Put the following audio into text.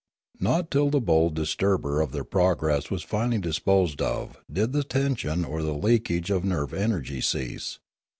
Not till the bold disturber of their progress was finally disposed of did the tension or the leakage of nerve energy cease.